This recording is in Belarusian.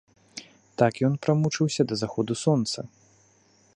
Так ён прамучыўся да захаду сонца.